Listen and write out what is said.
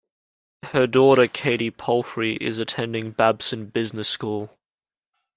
Her daughter Katy Palfrey is attending Babson Business School.